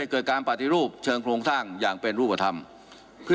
เกิดการปฏิรูปเชิงโครงสร้างอย่างเป็นรูปธรรม